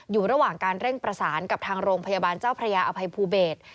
อยู่ระหว่างการเร่งประสานกับทางโรงพยาบาลเจ้าพระยาอภัยภูเบศ